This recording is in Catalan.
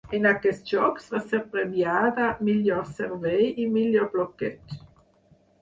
En aquests jocs va ser premiada Millor Servei i Millor Bloqueig.